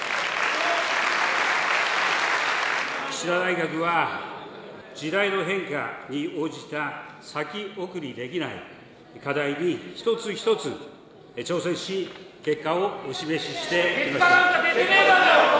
岸田内閣は、時代の変化に応じた先送りできない課題に一つ一つ挑戦し、結果をお示ししてきました。